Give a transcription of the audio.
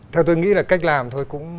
theo tôi nghĩ là cách làm thôi cũng